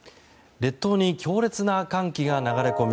列島に強烈な寒気が流れ込み